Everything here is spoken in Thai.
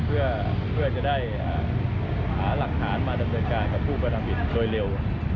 เพื่อจะได้หาหลักฐานมาดำเนินการกับผู้กระทำผิดโดยเร็ว